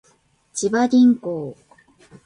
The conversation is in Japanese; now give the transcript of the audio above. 千葉銀行